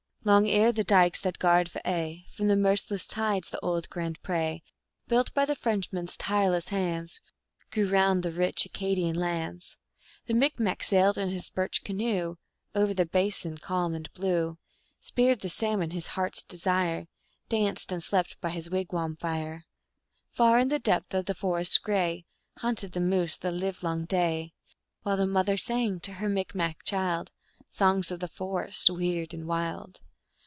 Long ere the dikes that guard for aye From the merciless tides the old Grand Prd, Built by the Frenchman s tireless hands, Grew round the rich Acadian lands, The Micmac sailed in his birch canoe Over the Basin, calm and blue ; Speared the salmon, his heart s desire, Danced and slept by his wigwam fire ; Far in the depth of the forest gray Hunted the moose the livelong day, While the mother sang to her Micmac child Songs of the forest, weird and wild.